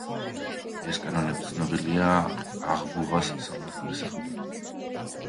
ეს კანონები ცნობილია „აღბუღას სამართლის სახელწოდებით“.